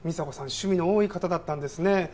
趣味の多い方だったんですね。